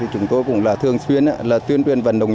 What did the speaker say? chúng tôi cũng thường xuyên tuyên truyền vận động